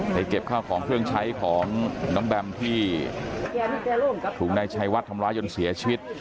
ไปเก็บข้าวของเครื่องใช้ของน้ำแบมที่ถูกได้ใช้วัดธรรมร้ายยนต์เสียชีวิต